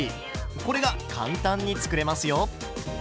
これが簡単に作れますよ。